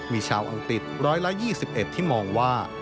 มีชาวอังกฤษ๑๒๑ที่มองว่า